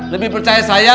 lebih percaya saya